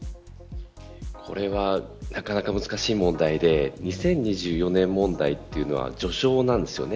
これはなかなか難しい問題で２０２４年問題というのは序章なんです。